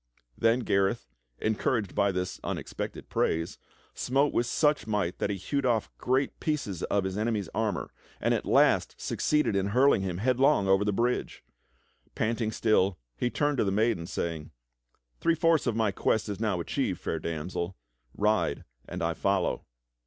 Then Gareth, encouraged by this unexpected praise, smote with such might that he hewed off great pieces of his enemy's armor and at last succeeded in hurling him headlong over the bridge. Panting still, he turned to the maiden, saying: "Three fourths of my quest is now achieved. Fair Damsel; ride and I follow."